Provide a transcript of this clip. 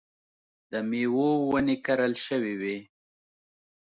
د مېوو ونې کرل شوې وې.